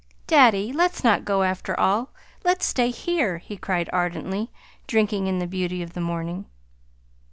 "Daddy, let's not go, after all! Let's stay here," he cried ardently, drinking in the beauty of the morning.